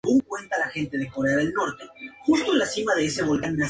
El juego seguía siendo gratuito pero requería de una versión original de "Half-Life".